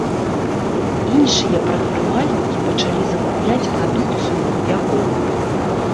Іншыя прадпрымальнікі пачалі закупляць прадукцыю ў яго.